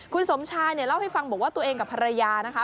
คุณสมชายเนี่ยเล่าให้ฟังบอกว่าตัวเองกับภรรยานะคะ